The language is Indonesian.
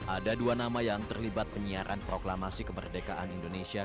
ada dua nama yang terlibat penyiaran proklamasi kemerdekaan indonesia